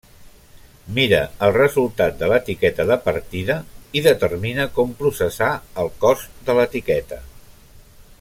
Mira el resultat de l'etiqueta de partida i determina com processar el cos de l'etiqueta.